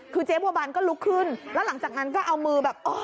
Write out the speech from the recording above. คือเจ๊บัวบานก็ลุกขึ้นแล้วหลังจากนั้นก็เอามือแบบอ๋อ